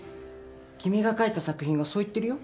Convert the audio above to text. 君が描いた作品がそう言ってるよ。